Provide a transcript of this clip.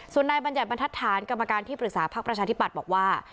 ส่วนในบรรยาบรรทัศน์กรรมการที่ปรึกษาภาคประชาธิบัตรบอกว่า